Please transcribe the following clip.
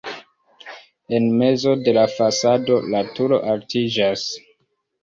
En mezo de la fasado la turo altiĝas.